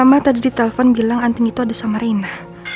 mama tadi di telpon bilang anting itu ada sama reina